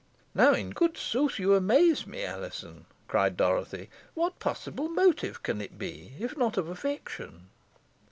"Now, in good sooth, you amaze me, Alizon!" cried Dorothy. "What possible motive can it be, if not of affection?"